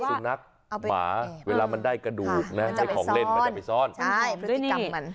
สุนัขหมาเวลามันได้กระดูกนะได้ของเล่นมันจะไปซ่อนใช่พฤติกรรมมัน